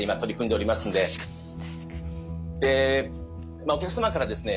まあお客様からですね